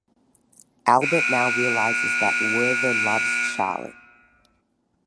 Albert now realizes that Werther loves Charlotte.